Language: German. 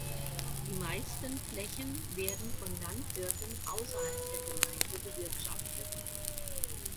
Die meisten Flächen werden von Landwirten außerhalb der Gemeinde bewirtschaftet.